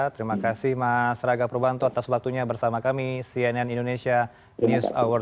terima kasih mas raga purwanto atas waktunya bersama kami cnn indonesia news hour